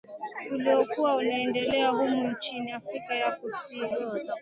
Uliokuwa unaendelea humo nchini Afrika ya Kusini